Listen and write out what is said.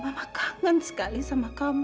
wah kangen sekali sama kamu